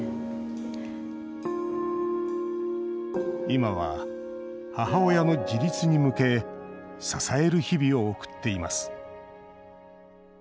今は、母親の自立に向け支える日々を送っています